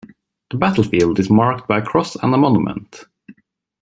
The battlefield is marked by a cross and monument.